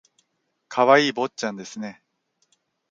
可愛い坊ちゃんですね